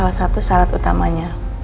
salah satu syarat utamanya